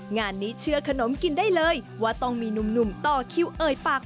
งานนี้เชื่อขนมกินได้เลยว่าต้องมีหนุ่มต่อคิวเอ่ยปาก